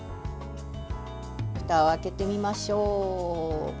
ふたを開けてみましょう。